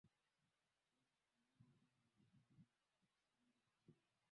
uweze kupambana vema na maradhi yatakayoharibu kinga za mwili